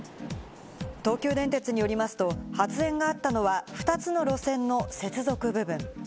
東急電鉄によりますと発煙があったのは、２つの路線の接続部分。